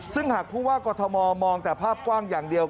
ซึ่งหากผู้ว่ากรทมมองแต่ภาพกว้างอย่างเดียว